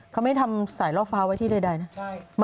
เขาไม่ทำสายล่อฟ้าไว้ที่ใดนะ